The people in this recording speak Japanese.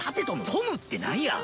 トムってなんや？